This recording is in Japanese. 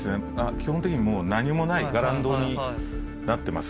基本的にもう何もない伽藍堂になってます。